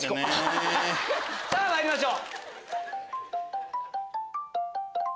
さぁまいりましょう。